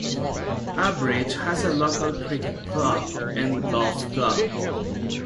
Abridge has a local cricket club and golf club.